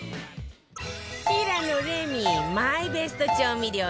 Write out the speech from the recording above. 平野レミマイベスト調味料１０選